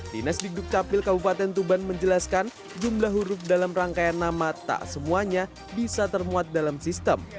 dinas di dukcapil kabupaten tuban menjelaskan jumlah huruf dalam rangkaian nama tak semuanya bisa termuat dalam sistem